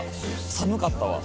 寒かったわ。